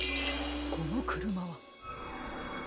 このくるまは！